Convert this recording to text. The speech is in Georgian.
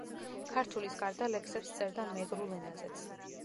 ქართულის გარდა, ლექსებს წერდა მეგრულ ენაზეც.